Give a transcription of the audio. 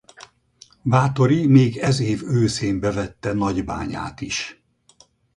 Báthory még ez év őszén bevette Nagybányát is.